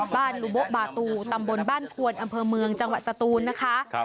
ลูโบบาตูตำบลบ้านควนอำเภอเมืองจังหวัดสตูนนะคะ